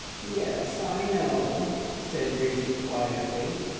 Yes, I know!" said Bridgie quietly.